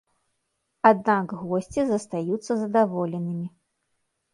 Аднак госці застаюцца задаволенымі.